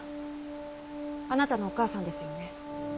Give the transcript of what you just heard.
あなたのお母さんですよね？